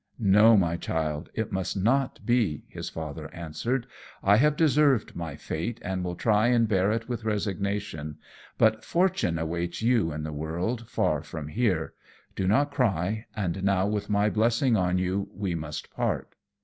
"No, my Child, it must not be," his Father answered, "I have deserved my fate, and will try and bear it with resignation; but fortune awaits you in the world, far from here. Do not cry; and now, with my blessing on you, we must part."